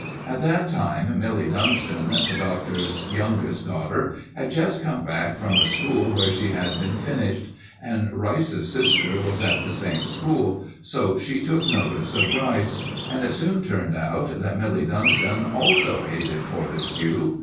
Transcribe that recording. At that time Milly Dunston, the Doctor's youngest daughter, had just come back from a school where she had been finished, and Rice's sister was at the same school, so she took notice of Rice. And it soon turned out that Milly Dunston also hated Fortescue.